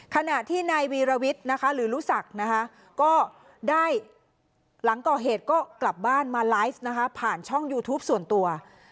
ขณะที่นายวีรวิทย์หรือลูกศักดิ์หลังต่อเหตุก็กลับบ้านมาไลฟ์ผ่านช่องยูทูปส่วนตัว